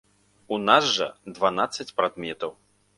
У нас жа дванаццаць прадметаў.